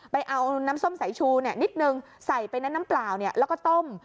ไปเอาน้ำส้มสายชูนิดนึงใส่ไปในน้ำเปล่าแล้วก็ต้ม